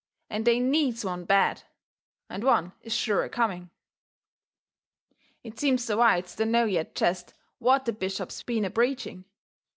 And they needs one bad, and one is sure a coming. It seems the whites don't know yet jest what the bishop's been a preaching.